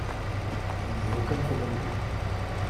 Il n’y a aucun problème d’eau.